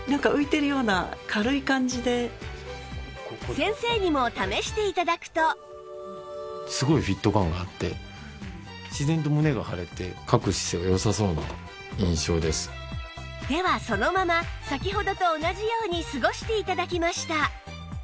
先生にもではそのまま先ほどと同じように過ごして頂きました